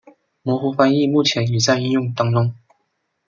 模糊翻译目前已在应用当中。